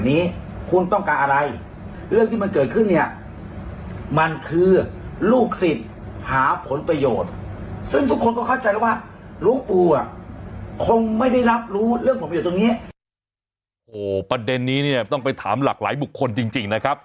โอ้โหประเด็นนี้เนี่ยต้องไปถามหลากหลายบุคคลจริงนะครับ